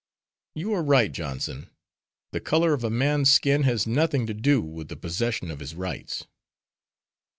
"You are right, Johnson. The color of a man's skin has nothing to do with the possession of his rights."